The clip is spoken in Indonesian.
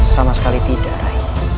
sama sekali tidak rakyat